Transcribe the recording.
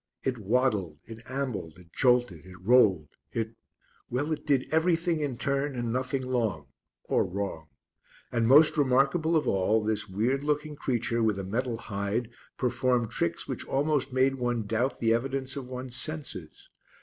It waddled, it ambled, it jolted, it rolled, it well it did everything in turn and nothing long or wrong. And most remarkable of all, this weird looking creature with a metal hide performed tricks which almost made one doubt the evidence of one's senses.